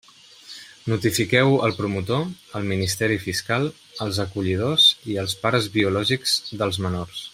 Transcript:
Notifiqueu-ho al promotor, al Ministeri Fiscal, als acollidors i als pares biològics dels menors.